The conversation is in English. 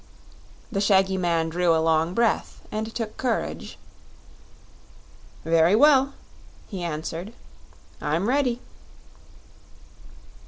The shaggy man drew a long breath and took courage. "Very well," he answered. "I'm ready."